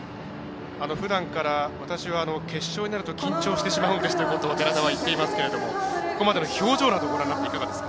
ふだんから私は決勝になると緊張してしまうんですということを寺田は言っていますけどここまでの表情をご覧になっていかがですか？